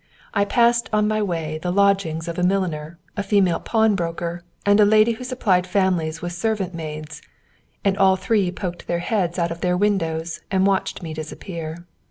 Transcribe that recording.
I passed on my way the lodgings of a milliner, a female pawnbroker, and a lady who supplied families with servant maids, and all three poked their heads out of their windows and watched me disappear.